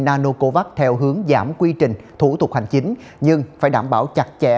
nanocovax theo hướng giảm quy trình thủ tục hành chính nhưng phải đảm bảo chặt chẽ